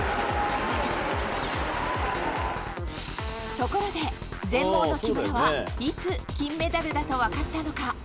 ところで、全盲の木村はいつ金メダルだと分かったのか？